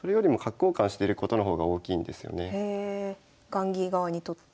雁木側にとって？